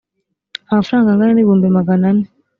amafaranga angana n ibihumbi magana ane